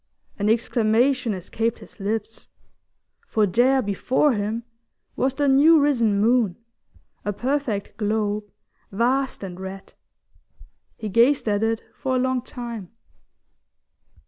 An exclamation escaped his lips, for there before him was the new risen moon, a perfect globe, vast and red. He gazed at it for a long time.